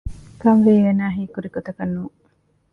ކަންވީ އޭނާ ހީކުރި ގޮތަކަށް ނޫން